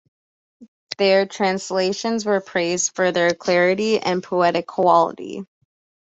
Their translations were praised for their clarity and poetic quality.